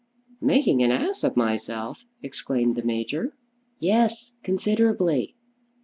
"Making an ass of myself!" exclaimed the Major. "Yes; considerably."